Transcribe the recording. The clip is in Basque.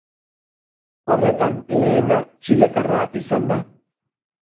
Horretan lehena txiletarra izan da.